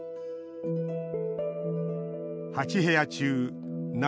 ８部屋中７